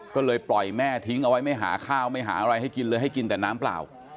ก็เลยปล่อยแม่ทิ้งเอาไว้ไม่หาข้าวไม่หาอะไรให้กินเลยให้กินแต่น้ำเปล่า